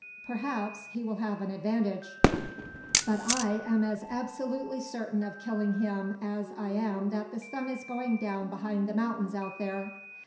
Perhaps he will have an advantage, but I am as absolutely certain of killing him as I am that the sun is going down behind the mountains out there.